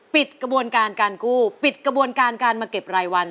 ปิดกระบวนการการกู้ปิดกระบวนการการมาเก็บรายวัน